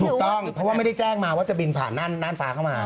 ถูกต้องเพราะว่าไม่ได้แจ้งมาว่าจะบินผ่านน่านฟ้าเข้ามา